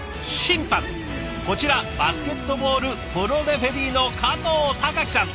こちらバスケットボールプロレフェリーの加藤誉樹さん。